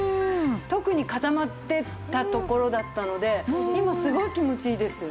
特に固まってたところだったので今すごい気持ちいいです。